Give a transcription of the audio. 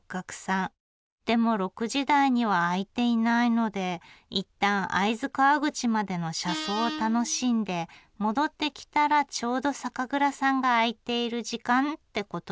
でも６時台には開いていないので一旦会津川口までの車窓を楽しんで戻ってきたらちょうど酒蔵さんが開いている時間ってことですよね。